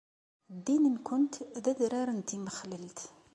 Ddin-nkent d adrar n timmexlelt.